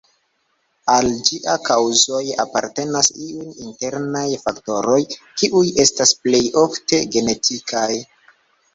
Al ĝia kaŭzoj apartenas iuj internaj faktoroj, kiuj estas plej ofte genetikaj.